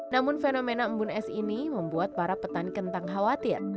namun fenomena embun es ini membuat para petani kentang khawatir